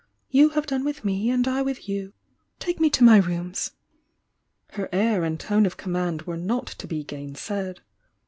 You have done with me and I with you. Take mc to my rooms!" Her air and tone of command were not to be gainsaid.